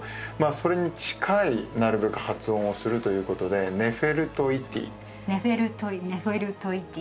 それに近いなるべく発音をするということでネフェルトネフェルトイティ